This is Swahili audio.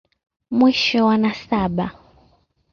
Mwisho wa nasaba.